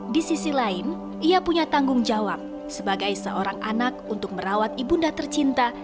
di sisi lain ia punya tanggung jawab sebagai seorang anak untuk merawat ibunda tercinta